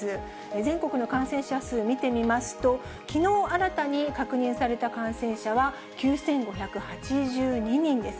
全国の感染者数見てみますと、きのう新たに確認された感染者は、９５８２人です。